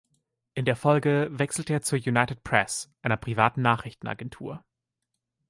In der Folge wechselte er zur "United Press", einer privaten Nachrichtenagentur.